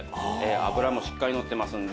脂もしっかりのってますので。